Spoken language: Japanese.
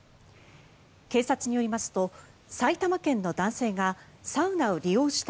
警察によりますと埼玉県の男性がサウナを利用した